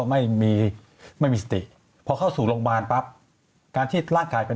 ไม่มีไม่มีสติพอเข้าสู่โรงพยาบาลปั๊บการที่ร่างกายเป็น